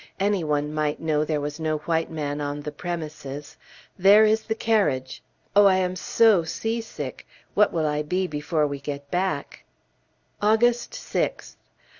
Any one might know there was no white man on the premises. There is the carriage! Oh, I am so seasick! What will I be before we get back? August 6th.